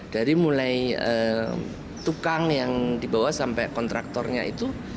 dari mulai tukang yang dibawa sampai kontraktornya itu